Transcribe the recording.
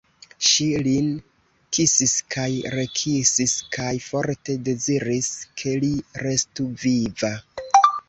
Ŝi lin kisis kaj rekisis kaj forte deziris, ke li restu viva.